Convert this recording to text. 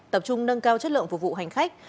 tập trung nâng cao chất lượng phục vụ hành khách